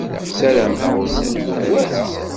Ssarameɣ ur k-yuɣ wara.